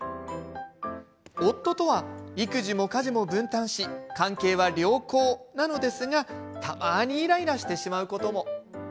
夫とは育児も家事も分担し関係は良好なのですがたまにイライラしてしまうことも。